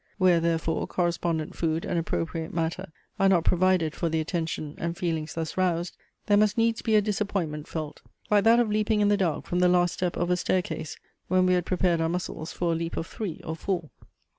Where, therefore, correspondent food and appropriate matter are not provided for the attention and feelings thus roused there must needs be a disappointment felt; like that of leaping in the dark from the last step of a stair case, when we had prepared our muscles for a leap of three or four.